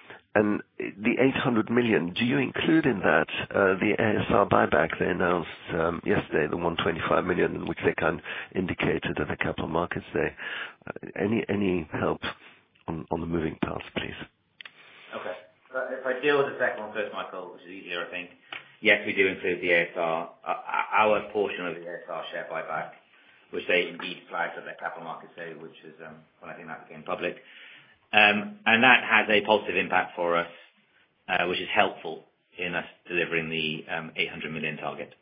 the 800 million, do you include in that the a.s.r. buyback they announced yesterday, the 125 million, which they kind of indicated in the Capital Markets Day? Any help on the moving parts, please? Okay. If I deal with the second one first, Michael, which is easier, I think. Yes, we do include the a.s.r., our portion of the a.s.r. share buyback, which they indeed flagged at their Capital Markets Day, which is when I think that became public, and that has a positive impact for us, which is helpful in us delivering the 800 million target.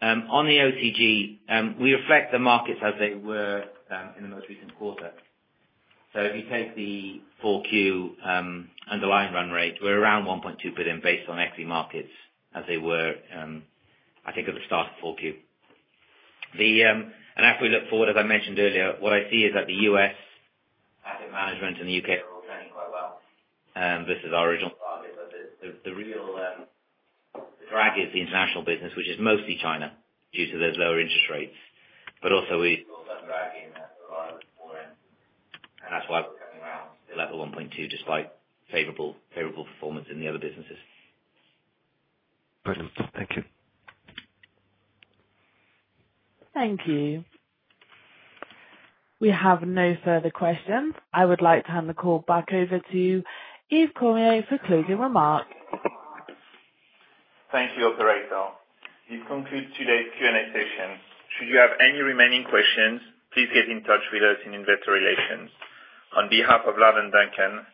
On the OCG, we reflect the markets as they were in the most recent quarter. So if you take the 4Q underlying run rate, we're around 1.2 billion based on equity markets as they were, I think, at the start of 4Q. And as we look forward, as I mentioned earlier, what I see is that the U.S. asset management and the U.K. are all turning quite well versus our original target. But the real drag is the international business, which is mostly China due to those lower interest rates. But also we saw that drag in the lower end. And that's why we're coming around to the level of 1.2 billion despite favorable performance in the other businesses. Brilliant. Thank you. Thank you. We have no further questions. I would like to hand the call back over to Yves Cormier for closing remarks. Thank you, Operator. This concludes today's Q&A session. Should you have any remaining questions, please get in touch with us in Investor Relations. On behalf of Lard and Duncan,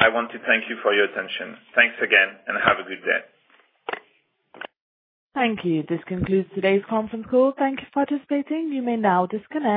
I want to thank you for your attention. Thanks again, and have a good day. Thank you. This concludes today's conference call. Thank you for participating. You may now disconnect.